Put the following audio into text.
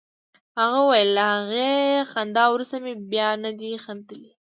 هغه ویل له هغې خندا وروسته مې بیا نه دي خندلي